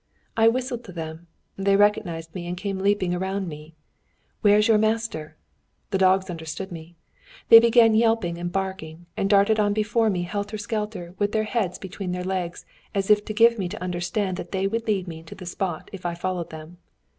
I whistled to them, they recognised me and came leaping around me. 'Where's your master?' The dogs understood me. They began yelping and barking, and darted on before me helter skelter, with their heads between their legs as if to give me to understand that they would lead me to the spot if I followed them.